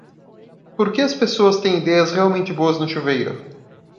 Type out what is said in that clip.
Por que as pessoas têm idéias realmente boas no chuveiro?